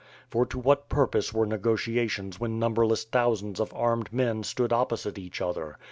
For to what purpose were negotiations when numberless thousands of armed men stood opposite eaeh other?